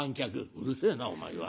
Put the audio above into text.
「うるせえなお前は。